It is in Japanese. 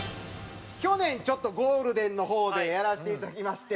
去年ちょっとゴールデンの方でやらせていただきまして。